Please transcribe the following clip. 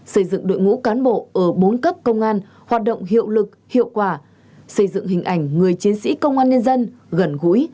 xây dựng đội ngũ cán bộ ở bốn cấp công an hoạt động hiệu lực hiệu quả xây dựng hình ảnh người chiến sĩ công an nhân dân gần gũi